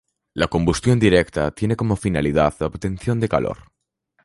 La combustión directa tiene como finalidad la obtención de calor.